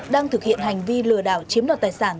đang thực hiện hành vi lừa đảo chiếm đoạt tài sản